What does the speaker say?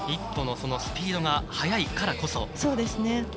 １歩のスピードが速いからこそ。